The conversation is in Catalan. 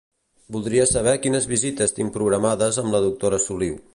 Volia saber quines visites tinc programades amb la doctora Soliu.